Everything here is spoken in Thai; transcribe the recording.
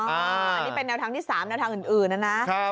อันนี้เป็นแนวทางที่๓แนวทางอื่นนะนะ